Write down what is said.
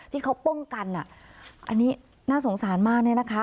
ที่เขาป้องกันอ่ะอันนี้น่าสงสารมากเนี่ยนะคะ